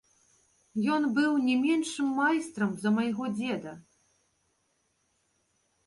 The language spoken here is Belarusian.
Ён быў не меншым майстрам за майго дзеда.